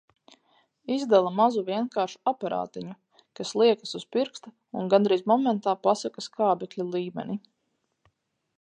Izdala mazu vienkāršu aparātiņu, kas liekas uz pirksta uz gandrīz momentā pasaka skābekļa līmeni.